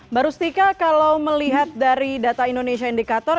mbak rustika kalau melihat dari data indonesia indikator